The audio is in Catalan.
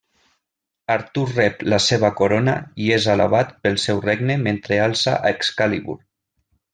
Artur rep la seva corona i és alabat pel seu regne mentre alça a Excalibur.